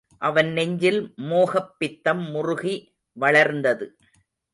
அவன் நெஞ்சில் மோகப் பித்தம் முறுகி வளர்ந்தது.